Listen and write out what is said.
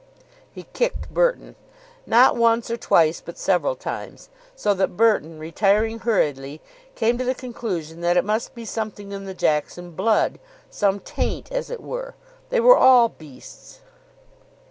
He kicked Burton. Not once or twice, but several times, so that Burton, retiring hurriedly, came to the conclusion that it must be something in the Jackson blood, some taint, as it were. They were all beasts.